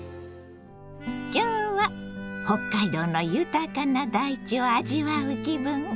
今日は北海道の豊かな大地を味わう気分。